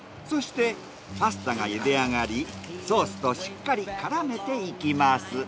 そしてパスタがゆで上がりソースとしっかり絡めていきます。